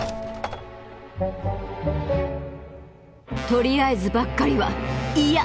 とりあえずばっかりは嫌！